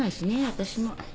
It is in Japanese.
私も。